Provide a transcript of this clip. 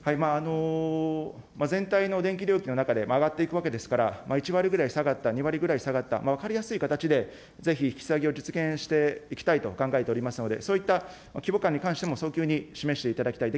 全体の電気料金の中で上がっていくわけですから、１割ぐらい下がった、２割ぐらい下がった、分かりやすい形で、ぜひ引き下げを実現していきたいと考えておりますので、そういった規模感に関しても早急に示していただきたい。